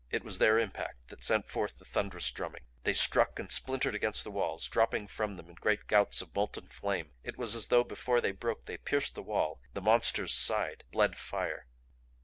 It was their impact that sent forth the thunderous drumming. They struck and splintered against the walls, dropping from them in great gouts of molten flame. It was as though before they broke they pierced the wall, the Monster's side, bled fire.